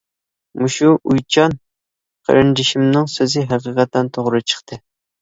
مۇشۇ، ئويچان قېرىندىشىمنىڭ سۆزى ھەقىقەتەن توغرا چىقتى!